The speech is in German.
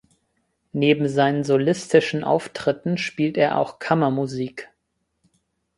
Neben seinen solistischen Auftritten spielt er auch Kammermusik.